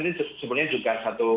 ini sebenarnya juga satu